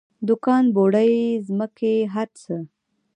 دوکان بوړۍ ځمکې هر څه.